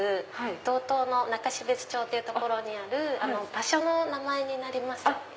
道東の中標津町っていう所にある場所の名前になります。